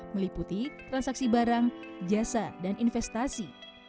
meliputi transaksi barang jasa dan investasi